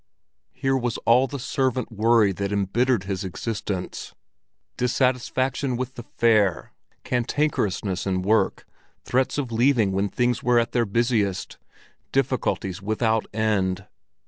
Here was all the servant worry that embittered his existence —dissatisfaction with the fare, cantankerousness in work, threats of leaving when things were at their busiest—difficulties without end.